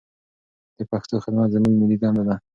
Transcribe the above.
د پښتو خدمت زموږ ملي دنده ده.